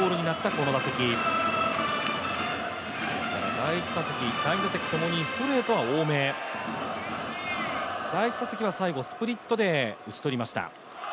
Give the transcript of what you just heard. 第１打席、第２打席ともにストレートは多め、第１打席は最後スプリットで打ち取りました。